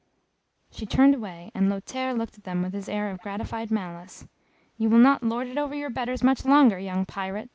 She turned away, and Lothaire looked at them with his air of gratified malice. "You will not lord it over your betters much longer, young pirate!"